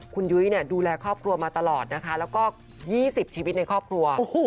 คุณยุ้ยดูแลครอบครัวมาตลอดนะคะแล้วก็๒๐ชีวิตในครอบครัว